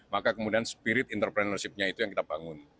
maka kemudian spirit entrepreneurshipnya itu yang kita bangun